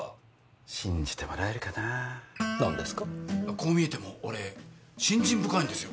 こう見えても俺信心深いんですよ。